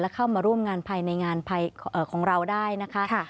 เข้ามาร่วมงานภายในงานของเราได้นะคะ